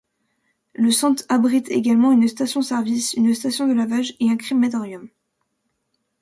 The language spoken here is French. Le centre abrite également une station-service, une station de lavage et un crématorium.